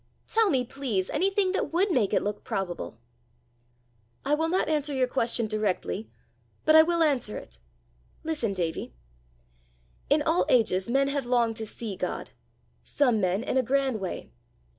"Tell me, please, anything that would make it look probable." "I will not answer your question directly, but I will answer it. Listen, Davie. "In all ages men have longed to see God some men in a grand way.